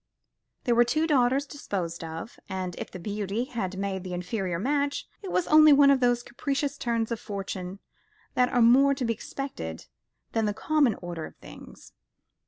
Here were two daughters disposed of; and if the beauty had made the inferior match, it was only one of those capricious turns of fortune that are more to be expected than the common order of things.